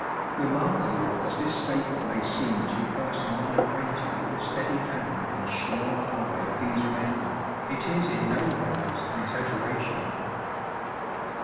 Remarkable as this statement may seem to persons unacquainted with the steady hand and sure eye of these men, it is in nowise an exaggeration.